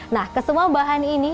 nah kesemua bahan ini